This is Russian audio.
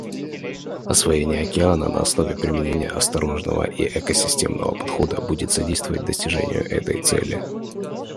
Освоение океана на основе применения осторожного и экосистемного подхода будет содействовать достижению этой цели.